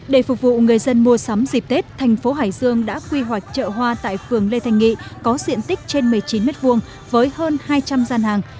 để phục vụ người dân mua sắm dịp tết thành phố hải dương đã quy hoạch chợ hoa tại phường lê thành nghị có diện tích trên một mươi chín m hai với hơn hai trăm linh gian hàng